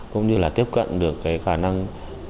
cũng như là tiếp cận được cái khả năng